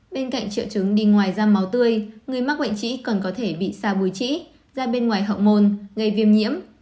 bên cạnh triệu chứng đi ngoài da máu tươi người mắc bệnh trĩ còn có thể bị xa bùi trĩ ra bên ngoài hậu môn gây viêm nhiễm